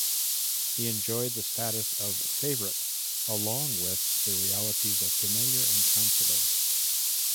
He enjoyed the status of favorite, along with the realities of familiar and counsellor.